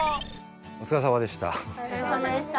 おつかれさまでした。